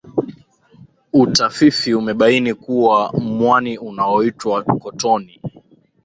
utafifi umebaini kuwa mwani unaoitwa cottonie